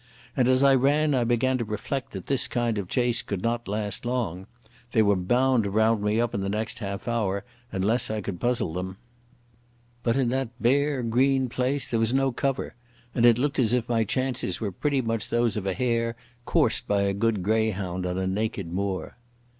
And as I ran I began to reflect that this kind of chase could not last long. They were bound to round me up in the next half hour unless I could puzzle them. But in that bare green place there was no cover, and it looked as if my chances were pretty much those of a hare coursed by a good greyhound on a naked moor.